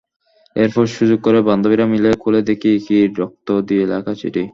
এরপর সুযোগ করে বান্ধবীরা মিলে খুলে দেখি কি, রক্ত দিয়ে লেখা চিঠি।